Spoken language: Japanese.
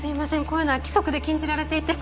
こういうのは規則で禁じられていて。